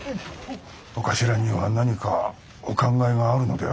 長官には何かお考えがあるのであろう。